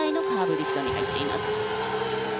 リフトになっています。